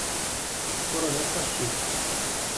Coronel Pacheco